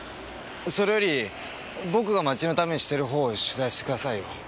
それより僕が街のためにしてる方を取材してくださいよ。